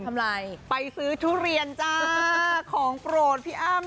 ทำอะไรไปซื้อทุเรียนจ้าของโปรดพี่อ้ามนะคะ